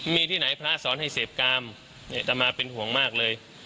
มีที่ไหนพระสอนให้เสพกามอัตมาเป็นห่วงมากเลย